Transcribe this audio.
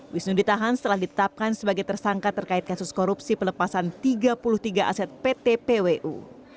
wisnu ditahan setelah ditetapkan sebagai tersangka terkait kasus korupsi pelepasan tiga puluh tiga aset pt pwu